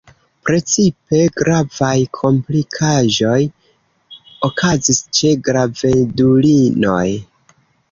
Precipe gravaj komplikaĵoj okazis ĉe gravedulinoj.